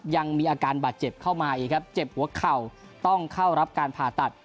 ยังมีอาการบาดเจ็บเข้ามาอีกครับเจ็บหัวเข่าต้องเข้ารับการผ่าตัด